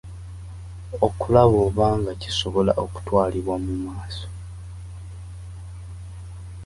Okulaba oba nga kisobola okutwalibwa mu maaso.